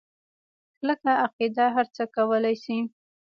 کلکه عقیده هرڅه کولی شي.